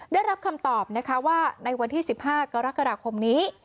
ได้รับคำตอบนะคะว่าในวันที่๑๕กรกฎาคมนี้